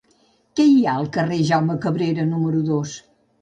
Què hi ha al carrer de Jaume Cabrera número dos?